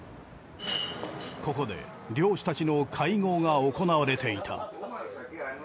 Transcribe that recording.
ここで漁師たちの会合が行われていた。